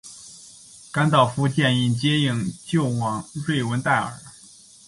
甘道夫建议接应救往瑞文戴尔。